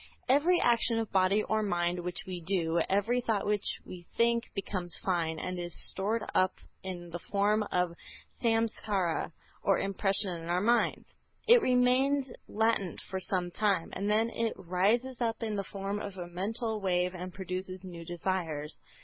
Every action of body or mind which we do, every thought which we think, becomes fine, and is stored up in the form of a Samskâra or impression in our minds. It remains latent for some time, and then it rises up in the form of a mental wave and produces new desires.